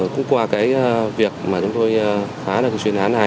cũng qua cái việc mà chúng tôi khá là thường xuyên án này